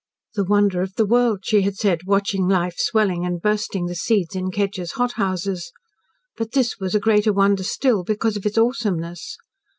The "wonder of the world," she had said, watching life swelling and bursting the seeds in Kedgers' hothouses! But this was a greater wonder still, because of its awesomeness.